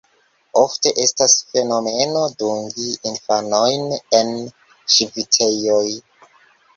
Ofte estas fenomeno dungi infanojn en ŝvitejoj.